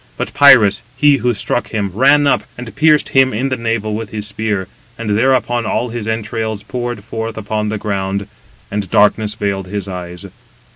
But Pirus, he who struck him, ran up, and pierced him in the navel with his spear; and thereupon all his entrails poured forth upon the ground, and darkness veiled his eyes.